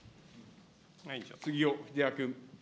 杉尾秀哉君。